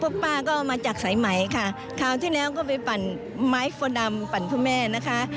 พ่อป้าก็เอามาจากสายไหมคราวที่แรกก็ไปปั่นไม้ฟอดามปั่นพระแม่นะคะ